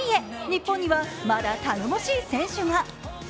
日本にはまだ頼もしい選手が。